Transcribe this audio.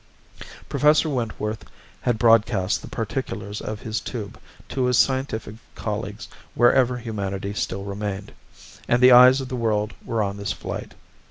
Professor Wentworth had broadcast the particulars of his tube to his scientific colleagues wherever humanity still remained, and the eyes of the world were on this flight.